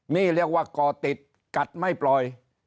นี่เรียกว่าก่อติดกัดไม่ปล่อย